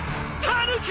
タヌキ！